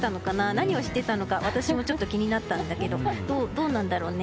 何をしていたのか私もちょっと気になったんだけどどうなんだろうね。